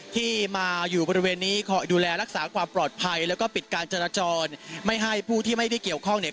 ที่มาอยู่บริเวณนี้คอยดูแลรักษาความปลอดภัยแล้วก็ปิดการจราจรไม่ให้ผู้ที่ไม่ได้เกี่ยวข้องเนี่ย